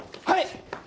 はい！